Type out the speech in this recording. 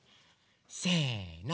せの！